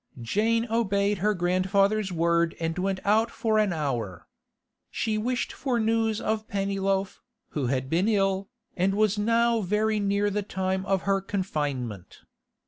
... Jane obeyed her grandfather's word and went out for an hour. She wished for news of Pennyloaf, who had been ill, and was now very near the time of her confinement.